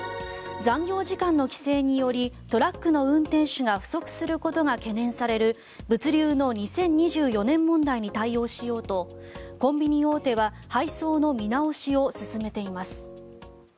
残業時間の規制によりトラックドライバーの不足が懸念される物流の２０２４年問題に対応しようとコンビニ大手は配送の見直しを進めています。